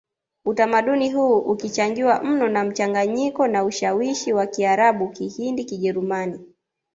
Utamaduni huu ukichangiwa mno na mchanganyiko na ushawishi wa Kiarabu Kihindi Kijerumani